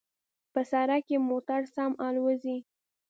په سړک کې موټر سم الوزي